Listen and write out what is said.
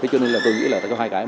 thế cho nên là tôi nghĩ là có hai cái